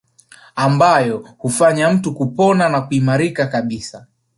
Ambayo hufanya mtu kupona na kuimarika kabisa